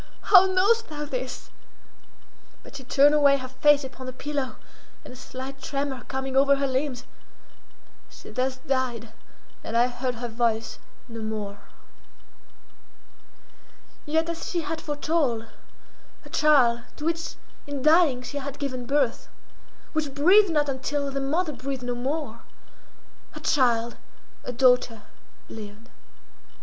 how knowest thou this?" but she turned away her face upon the pillow and a slight tremor coming over her limbs, she thus died, and I heard her voice no more. Yet, as she had foretold, her child, to which in dying she had given birth, which breathed not until the mother breathed no more, her child, a daughter, lived.